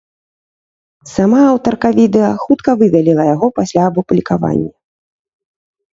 Сама аўтарка відэа хутка выдаліла яго пасля апублікавання.